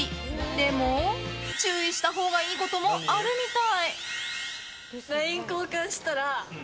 でも、注意したほうがいいこともあるみたい。